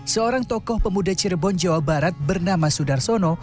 seorang tokoh pemuda cirebon jawa barat bernama sudarsono